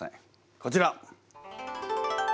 こちら！